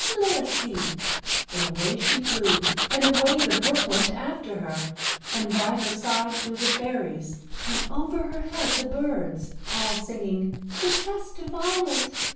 Let us see;" and away she flew, and away the brook went after her, and by her side flew the fairies, and over her head the birds all singing, "Success to Violet!"